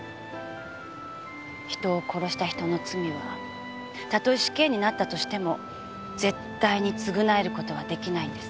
人を殺した人の罪はたとえ死刑になったとしても絶対に償える事は出来ないんです。